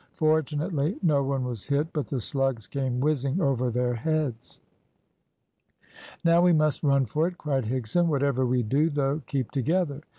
Fortunately no one was hit, but the slugs came whizzing over their heads. "Now we must run for it," cried Higson. "Whatever we do, though, keep together."